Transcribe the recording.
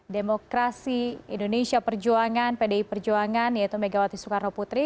demokrasi indonesia perjuangan pdi perjuangan yaitu megawati soekarno putri